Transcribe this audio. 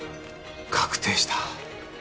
確定した。